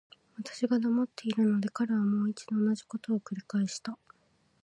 私が黙っているので、彼はもう一度同じことを繰返した。